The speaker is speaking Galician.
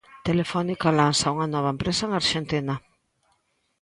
Telefónica lanza unha nova empresa en Arxentina